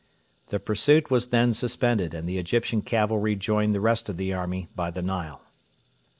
The pursuit was then suspended, and the Egyptian cavalry joined the rest of the army by the Nile.